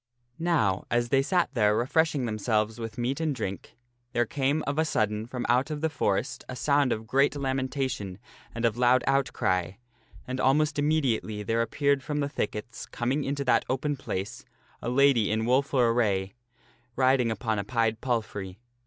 Now as they sat there refreshing themselves with meat and drink, there came of a sudden from out of the forest a sound of great lamentation and of loud outcry, and almost immediately there appeared from the thickets, coming into that open place, a lady in woful sorrowful lady array, riding upon a pied palfrey.